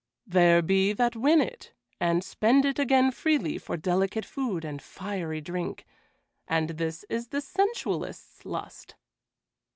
There be that win it and spend it again freely for delicate food and fiery drink, and this is the sensualist's lust.